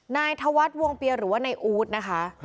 นายถวัฒน์วงเปียร์หรือว่าในอูธนะคะ